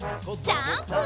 ジャンプ！